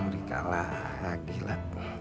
rika lah gila